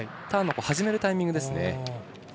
ターンの始めるタイミングですね。